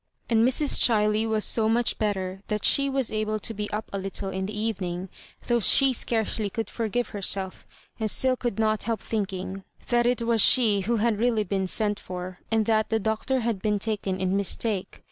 And Mrs. Gbilej was so much better that she was able to be up a little in the evening, though she scarcely could forgive herself, and still could not help thinking that it was she who had really been sent for, and that the doctor had been taken in mistake.